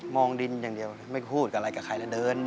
ดินอย่างเดียวไม่พูดอะไรกับใครเลยเดิน